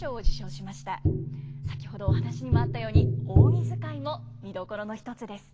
先ほどお話にもあったように扇づかいも見どころの一つです。